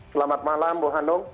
selamat malam bu hanung